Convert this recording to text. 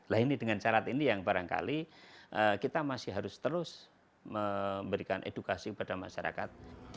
nah ini dengan syarat ini yang barangkali kita masih harus terus memberikan edukasi kepada masyarakat